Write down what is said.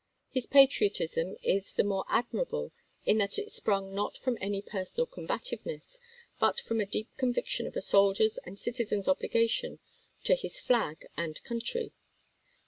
His patriotism is the more admirable in that it sprung not from any per sonal combativeness, but from a deep conviction of a soldier's and citizen's obligation to his flag and country.